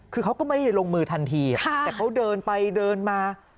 คือเขาก็ไม่ลงมือทันทีแต่เขาเดินไปเดินมา